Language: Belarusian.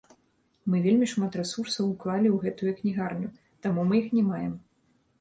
Мы вельмі шмат рэсурсаў уклалі ў гэтую кнігарню, таму мы іх не маем.